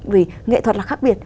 vì nghệ thuật là khác biệt